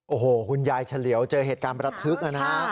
โอ้โหคุณยายเฉลียวเจอเหตุการณ์ประทึกนะฮะ